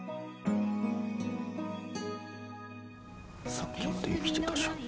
さっきまで生きてたじゃん